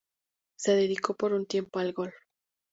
Se dedicó por un tiempo al golf.